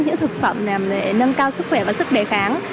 những thực phẩm để nâng cao sức khỏe và sức đề kháng